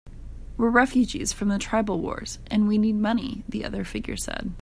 "We're refugees from the tribal wars, and we need money," the other figure said.